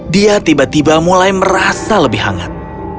dia tiba tiba mulai merasa lebih hangat